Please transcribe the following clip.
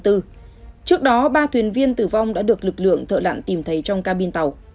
trước đó ba thuyền viên tử vong đã được lực lượng thợ lặn tìm thấy trong cabin tàu